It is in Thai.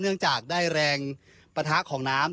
เนื่องจากได้แรงปะทะของน้ำ